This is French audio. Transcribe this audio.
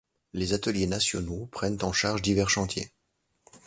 Les Ateliers nationaux prennent en charge divers chantiers.